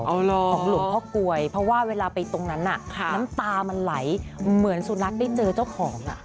ของหลวงพ่อกลวยเพราะว่าเวลาไปตรงนั้นน้ำตามันไหลเหมือนสุนัขได้เจอเจ้าของอ่ะ